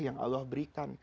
yang allah berikan